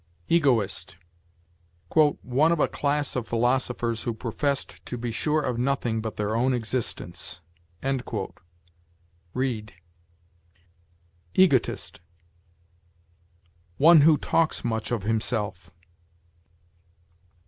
EGOIST. "One of a class of philosophers who professed to be sure of nothing but their own existence." Reid. EGOTIST. "One who talks much of himself."